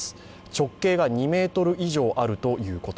直径が２ｍ以上あるということ。